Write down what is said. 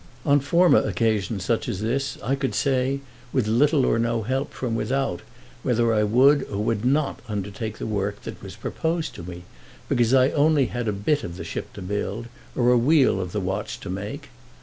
On former occasions such as this, I could say, with little or no help from without, whether I would or would not undertake the work that was proposed to me, because I had only a bit of the ship to build, or a wheel of the watch to make.